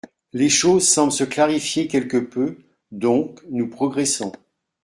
Les choses semblent se clarifier quelque peu, donc nous progressons.